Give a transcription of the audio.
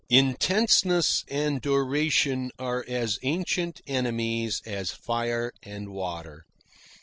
Intenseness and duration are as ancient enemies as fire and water.